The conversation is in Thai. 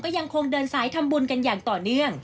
ยังคงเดินสายทำบุญกันอย่างต่อเนื่อง